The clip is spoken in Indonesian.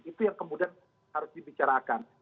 itu yang kemudian harus dibicarakan